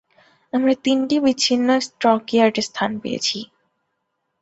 আমরা তিনটি বিচ্ছিন্ন স্টকইয়ার্ড স্থান পেয়েছি।